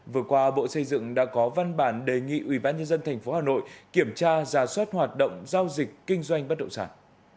vừa qua bộ xây dựng đã có văn bản đề nghị ubnd tp hà nội kiểm tra giả soát hoạt động giao dịch kinh doanh bất động sản